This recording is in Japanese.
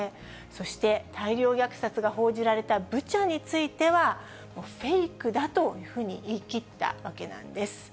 そして、大量虐殺が報じられたブチャについては、フェイクだというふうに言い切ったわけなんです。